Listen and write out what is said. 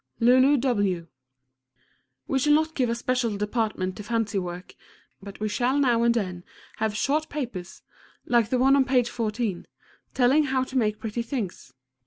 LULU W. We shall not give a special department to fancy work, but we shall now and then have short papers, like the one on page 14, telling how to make pretty things.